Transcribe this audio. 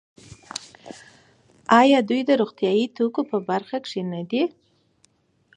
آیا دوی د روغتیايي توکو په برخه کې ښه نه دي؟